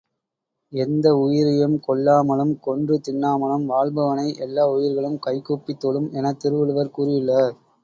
எந்த உயிரையும் கொல்லாமலும் கொன்று தின்னாமலும் வாழ்பவனை எல்லா உயிர்களும் கைகூப்பித் தொழும் எனத் திருவள்ளுவர் கூறியுள்ளார்.